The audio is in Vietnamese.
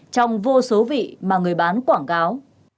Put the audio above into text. trong vô số vị mà người bán quảng cáo